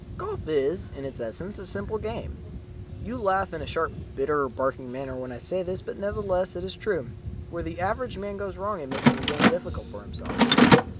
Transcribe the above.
Golf is in its essence a simple game. You laugh in a sharp, bitter, barking manner when I say this, but nevertheless it is true. Where the average man goes wrong is in making the game difficult for himself.